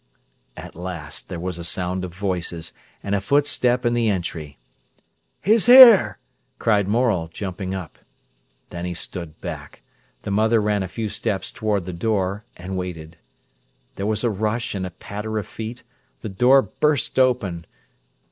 At last there was a sound of voices, and a footstep in the entry. "Ha's here!" cried Morel, jumping up. Then he stood back. The mother ran a few steps towards the door and waited. There was a rush and a patter of feet, the door burst open.